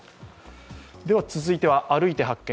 続いては「歩いて発見！